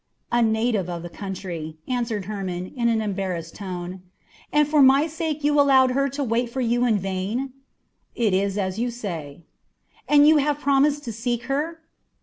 "A native of the country," answered Hermon in an embarrassed tone. "And for my sake you allowed her to wait for you in vain?" "It is as you say." "And you had promised to seek her?"